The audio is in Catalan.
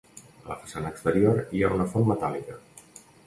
A la façana exterior hi ha una font metàl·lica.